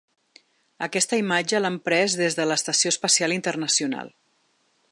Aquesta imatge l’han pres des de l’estació espacial internacional.